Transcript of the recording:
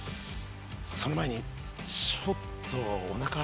その前にちょっとおなかすかない？